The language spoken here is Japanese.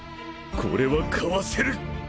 これはかわせる！